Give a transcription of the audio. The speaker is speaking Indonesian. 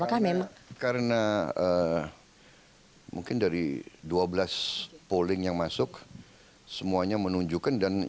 karena mungkin dari dua belas polling yang masuk semuanya menunjukkan